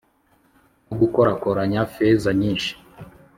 no gukorakoranya feza nyinshi